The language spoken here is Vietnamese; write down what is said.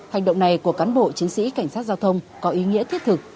hành động này của cán bộ chiến sĩ cảnh sát giao thông có ý nghĩa thiết thực